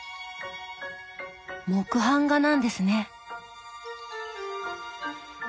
木版画なんですね。